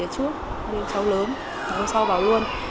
cho cháu lớn hôm sau bảo luôn